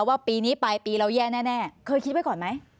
ว่าปีนี้ปลายปีเราแย่แน่เคยคิดไว้ก่อนไหม